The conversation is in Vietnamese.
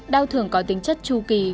đau thường có tính chất tru kỳ